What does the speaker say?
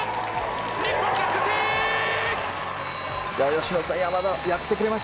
日本、勝ち越し！